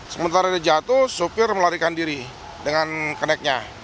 sementara ini jatuh sopir melarikan diri dengan keneknya